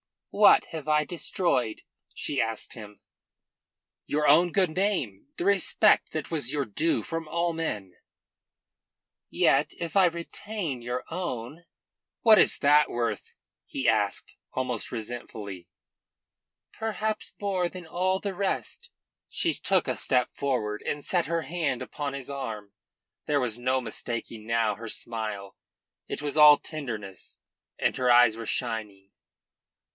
"What have I destroyed?" she asked him. "Your own good name; the respect that was your due from all men." "Yet if I retain your own?" "What is that worth?" he asked almost resentfully. "Perhaps more than all the rest." She took a step forward and set her hand upon his arm. There was no mistaking now her smile. It was all tenderness, and her eyes were shining.